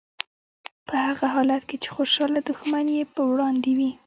په هغه حالت کې چې خوشحاله دښمن یې په وړاندې وي.